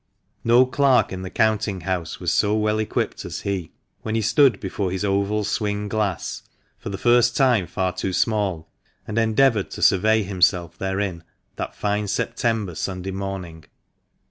No clerk in the counting 212 THE MANCHESTER MAN. house was so well equipped as he, when he stood before his oval swing glass (for the first time far too small), and endeavoured to survey himself therein, that fine September Sunday morning.